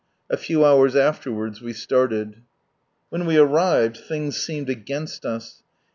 A few hours afterwards we started. When we arrived, things seemed against us.